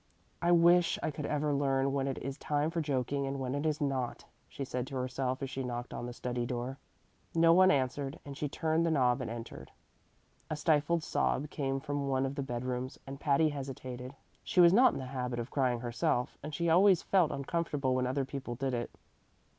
"I wish I could ever learn when it is time for joking and when it is not," she said to herself as she knocked on the study door. No one answered, and she turned the knob and entered. A stifled sob came from one of the bedrooms, and Patty hesitated. She was not in the habit of crying herself, and she always felt uncomfortable when other people did it.